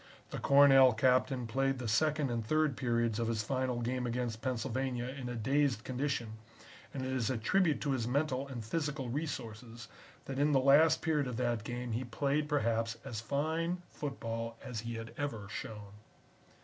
The Cornell Captain played the second and third periods of his final game against Pennsylvania in a dazed condition, and it is a tribute to his mental and physical resources that in the last period of that game he played perhaps as fine football as he had ever shown.